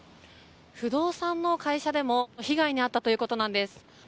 不動産の会社でも被害に遭ったということなんです。